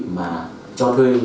mà cho thuê